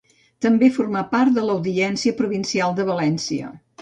També formà part de l'Audiència Provincial de València.